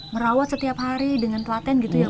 merawat setiap hari dengan pelaten gitu ya